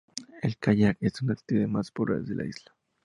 El kayak es una de las actividades más populares en la isla.